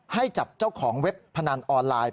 ให้จับเจ้าของเว็บพนันออนไลน์